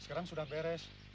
sekarang sudah beres